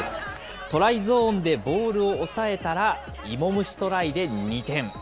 トライゾーンでボールを押さえたら、イモムシトライで２点。